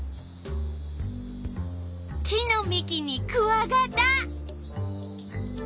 木のみきにクワガタ。